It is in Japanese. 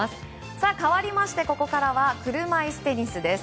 さあ、かわりましてここからは車いすテニスです。